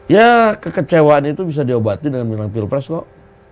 ya kekecewaan itu bisa diobati dengan menjelang pilpres kok